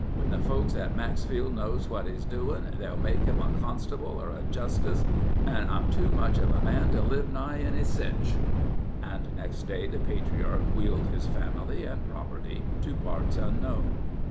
When the folks at Maxfield knows what he's doin', they'll make him a constable or a justice, an' I'm too much of a man to live nigh any sich." And next day the patriarch wheeled his family and property to parts unknown.